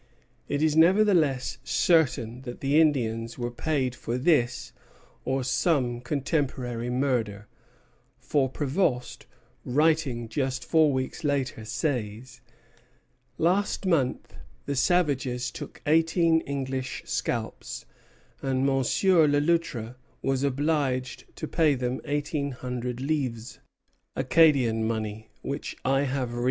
It is nevertheless certain that the Indians were paid for this or some contemporary murder; for Prévost, writing just four weeks later, says: "Last month the savages took eighteen English scalps, and Monsieur Le Loutre was obliged to pay them eighteen hundred livres, Acadian money, which I have reimbursed him."